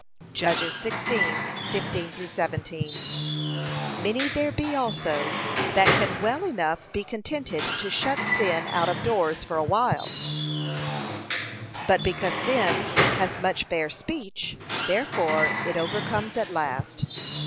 (Judges 16:15 17) Many there be also, that can well enough be contented to shut sin out of doors for a while; but because sin has much fair speech, therefore it overcomes at last.